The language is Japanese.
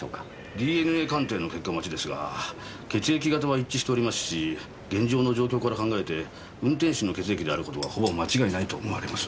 ＤＮＡ鑑定の結果待ちですが血液型は一致しておりますし現場の状況から考えて運転手の血液である事はほぼ間違いないと思われます。